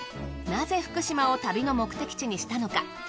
なぜ福島を旅の目的地にしたのか。